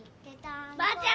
ばあちゃん